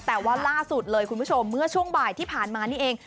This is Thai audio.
แต่ว่าล่าสุดเลยคุณผู้ชมเมื่อช่วงบ่ายที่ผ่านมานี่เอง